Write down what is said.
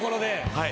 はい。